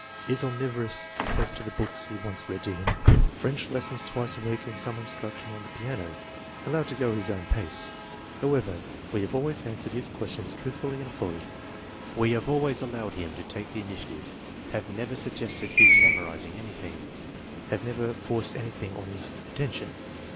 Is omnivorous as to the books he wants read to him. French lessons twice a week and some instruction on the piano. Allowed to go his own pace. " However, we have always answered his questions truthfully and fully. We have always allowed him to take the initia tive, have never suggested his memorizing anything, have never forced anything on his attention.